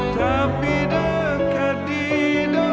tapi dekat di doa